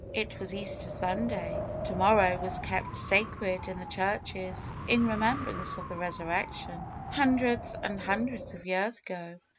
It was Easter Sunday ! To morrow was kept sacred in the churches in remembrance of the Resurrection, hun dreds and hundreds of years ago.